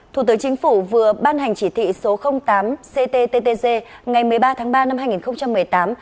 thủ tướng chính phủ vừa ban hành chỉ thị số tám cttg ngày một mươi ba tháng ba năm hai nghìn một mươi tám